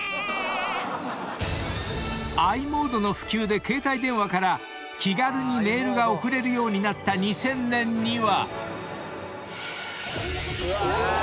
［ｉモードの普及で携帯電話から気軽にメールが送れるようになった２０００年には］